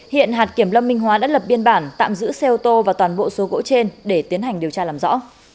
hiện hạt kiểm lâm minh hóa đã lập biên bản tạm giữ xe ô tô và toàn bộ số gỗ trên để tiến hành điều tra làm rõ